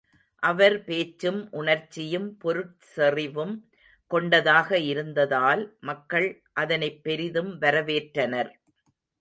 அவர் பேச்சும் உணர்ச்சியும், பொருட்செறிவும் கொண்டதாக இருந்ததால், மக்கள் அதனைப் பெரிதும் வரவேற்றனர்.